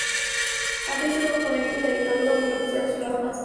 Ante estos nuevos movimientos, la dictadura volvió a mostrar su lado más represivo.